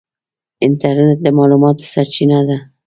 انټرنیټ د معلوماتو سرچینه ده.